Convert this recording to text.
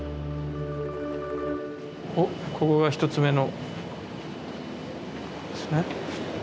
おっここが１つ目のですね。